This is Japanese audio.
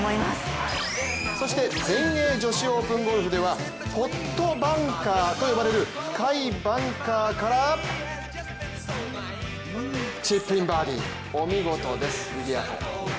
そして全英女子オープンゴルフではポットバンカーと呼ばれる深いバンカーからチップインバーディーお見事です。